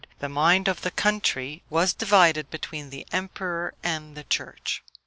the mind of the country was divided between the emperor and the church.